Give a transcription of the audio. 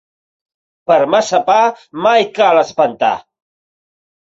Per massa pa mai cal espantar.